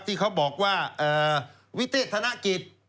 ที่เขาบอกว่าวิเตธนาคิด